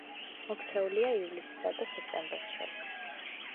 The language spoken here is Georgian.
მოქცეულია ივლისსა და სექტემბერს შორის.